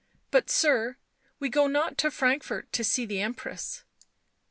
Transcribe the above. " But, sir, we go not to Frankfort to see the Empress."